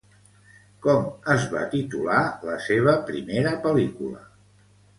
Com es va titular la seva primera pel·lícula?